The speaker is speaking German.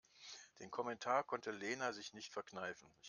Den Kommentar konnte Lena sich nicht verkneifen.